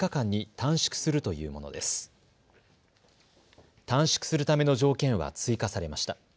短縮するための条件は追加されました。